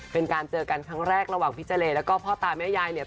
เป็นการเจอกันครั้งแรกระหว่างพี่เจรแล้วก็พ่อตาแม่ยายเนี่ย